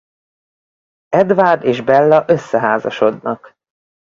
Edward és Bella összeházasodnak.